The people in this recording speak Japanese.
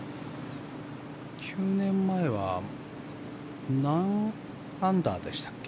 ９年前は何アンダーでしたっけ？